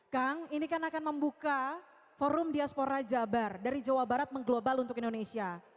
kang ini kan akan membuka forum diaspora jabar dari jawa barat mengglobal untuk indonesia